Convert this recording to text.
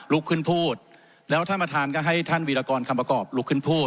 ลุกขึ้นพูดแล้วท่านประธานก็ให้ท่านวีรกรคำประกอบลุกขึ้นพูด